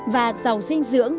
và giàu dinh dưỡng